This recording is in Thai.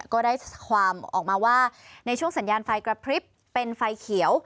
ก็ได้ความออกมาว่าในช่วงสัญญาณไฟกระพริบเป็นไฟเขียว